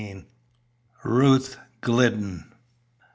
RUTH GLIDDEN.